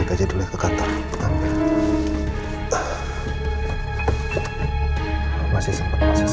kamu mau kemana